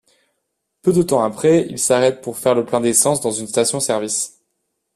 Peu de temps après, ils s’arrêtent pour faire le plein d'essence dans une station-service.